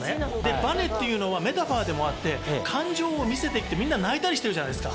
バネっていうのはメタファーでもあって感情を見せていてみんな泣いたりしてるじゃないですか。